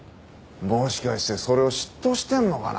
もしかしてそれを嫉妬してんのかな